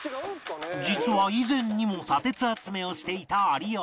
実は以前にも砂鉄集めをしていた有吉